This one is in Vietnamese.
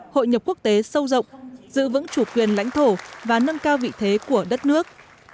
hội nhập quốc tế sâu rộng giữ vững chủ quyền lãnh thổ và nâng cao vị thế của đất nước